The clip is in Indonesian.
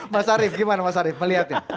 mas arief gimana mas arief melihatnya